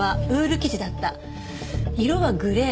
色はグレー。